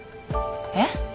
えっ？